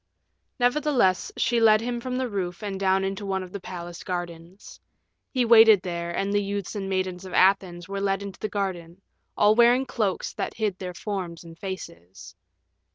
Nevertheless, she led him from the roof and down into one of the palace gardens. He waited there, and the youths and maidens of Athens were led into the garden, all wearing cloaks that hid their forms and faces.